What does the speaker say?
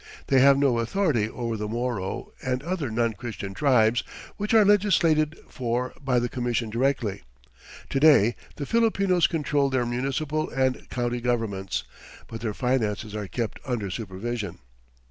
They have no authority over the Moro and other non Christian tribes, which are legislated for by the Commission directly. To day the Filipinos control their municipal and county governments, but their finances are kept under supervision.